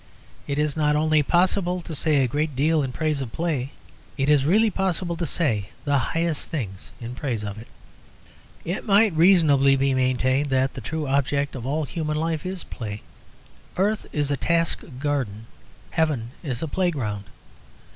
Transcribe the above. It is not only possible to say a great deal in praise of play; it is really possible to say the highest things in praise of it. It might reasonably be maintained that the true object of all human life is play. Earth is a task garden; heaven is a playground.